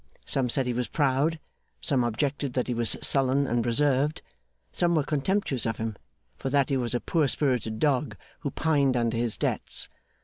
Some said he was proud; some objected that he was sullen and reserved; some were contemptuous of him, for that he was a poor spirited dog who pined under his debts.